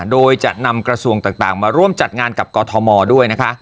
โดยจะนำกระทรวงต่างมาร่วมจัดงานกับกอทมด้วยนะคะ